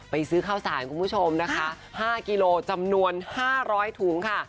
ซื้อข้าวสารคุณผู้ชมนะคะ๕กิโลจำนวน๕๐๐ถุงค่ะ